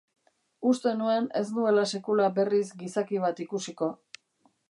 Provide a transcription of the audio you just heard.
Uste nuen ez nuela sekula berriz gizaki bat ikusiko.